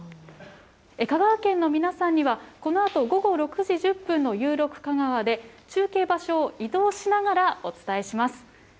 香川県の皆さんには、このあと午後６時１０分のゆう６かがわで、中継場所を移動しながら、お伝えします。